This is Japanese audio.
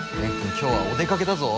今日はお出かけだぞ。